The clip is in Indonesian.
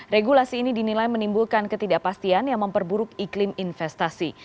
regulasi ini dinilai menimbulkan ketidakpastian yang memperburuk iklim investasi